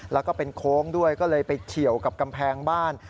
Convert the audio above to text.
แล้วก็เป็นโค้งด้วยก็เลยไปเฉียวกับกำแพงบ้าน